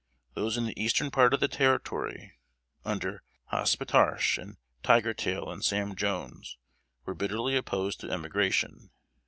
Those in the eastern part of the Territory, under Hospetarche and Tiger tail and Sam Jones, were bitterly opposed to emigration.